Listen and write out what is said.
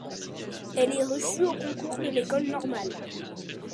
Elle est reçue au concours de l’École normale.